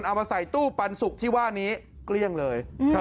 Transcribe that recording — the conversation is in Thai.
เอามาใส่ตู้ปันสุกที่ว่านี้เกลี้ยงเลย